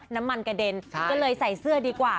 น้ำมันกระเด็นก็เลยใส่เสื้อดีกว่า